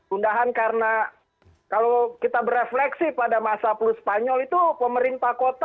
gundahan karena kalau kita berefleksi pada masa pluspanyol itu pemerintah kota